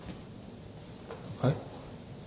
はい？